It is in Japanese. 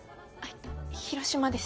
広島です。